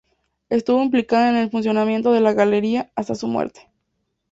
Estuvo implicada en el funcionamiento de la Galería, hasta su muerte.